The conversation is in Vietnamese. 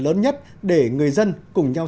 lớn nhất để người dân cùng nhau